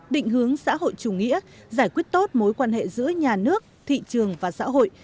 định hướng xã hội chủ nghĩa giải quyết tốt mối quan hệ giữa nhà nước thị trường và xã hội